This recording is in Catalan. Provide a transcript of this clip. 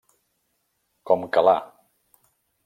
Com que la.